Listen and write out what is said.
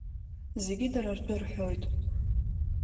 Зегьы дара ртәы рҳәоит.